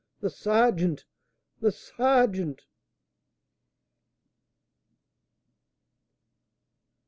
the sergeant! the sergeant!"